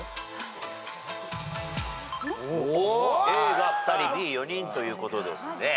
Ａが２人Ｂ４人ということですね。